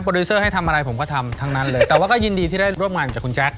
ดิวเซอร์ให้ทำอะไรผมก็ทำทั้งนั้นเลยแต่ว่าก็ยินดีที่ได้ร่วมงานจากคุณแจ๊ค